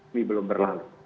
ini belum berlalu